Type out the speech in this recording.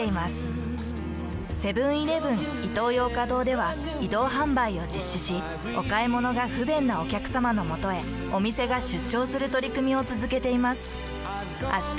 セブンーイレブンイトーヨーカドーでは移動販売を実施しお買い物が不便なお客様のもとへお店が出張する取り組みをつづけています。